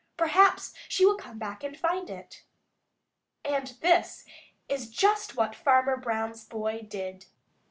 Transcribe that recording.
Perhaps she will come back and find it." And this is just what Farmer Brown's boy did.